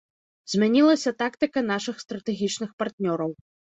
Змянілася тактыка нашых стратэгічных партнёраў.